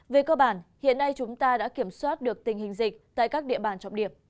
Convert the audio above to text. về cơ bản hiện nay chúng ta đã kiểm soát được tình hình dịch tại các địa bàn trọng điểm